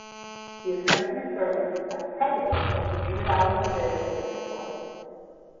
He is currently serving as President of the Trinidad and Tobago Cricket Board.